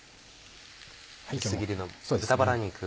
薄切りの豚バラ肉